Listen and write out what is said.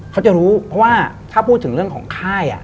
เขาจะรู้เพราะว่าถ้าพูดถึงเรื่องของค่าย